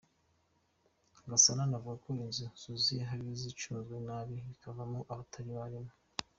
Gasana anavuga ko n’inzu zuzuye hari aho zicunzwe nabi zikabamo abatari abarimu.